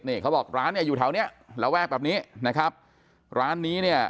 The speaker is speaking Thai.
เสร็จร้านอยู่แถวนี้แล้วแวะแบบนี้นะครับร้านนี้